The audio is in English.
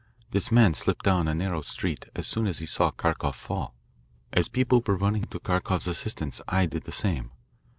This man slipped down a narrow street as soon as he saw Kharkoff fall. As people were running to Kharkoff's assistance, I did the same.